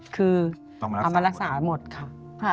คือเอามารักษาหมดค่ะ